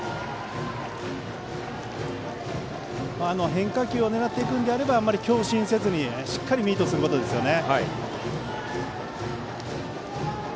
変化球を狙っていくのであればあまり強振せずに、しっかりミートすることですね。